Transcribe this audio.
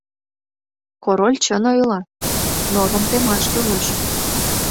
— Король чын ойла: нормым темаш кӱлеш!